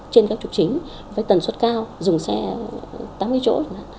trên các trục chính với tần suất cao dùng xe tám mươi chỗ